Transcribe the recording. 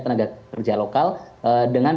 tenaga kerja lokal dengan